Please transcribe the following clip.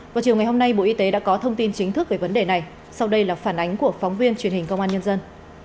vào chiều ngày hôm nay bộ y tế đã có thông tin chính thức về vấn đề này sau đây là phản ánh của phóng viên truyền hình công an nhân dân